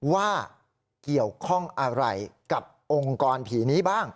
ว่าเกี่ยวข้องอะไรกับองค์กรผีนี้บ้าง